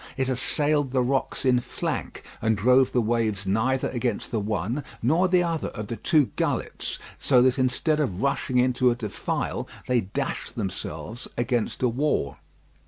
It assailed the rocks in flank, and drove the waves neither against the one nor the other of the two gullets; so that instead of rushing into a defile, they dashed themselves against a wall.